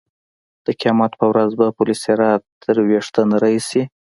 د قیامت په ورځ به پل صراط تر وېښته نرۍ شي.